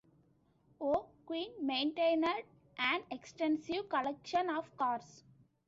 O'Quinn maintained an extensive collection of cars.